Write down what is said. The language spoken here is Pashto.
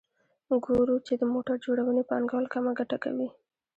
ګورو چې د موټر جوړونې پانګوال کمه ګټه کوي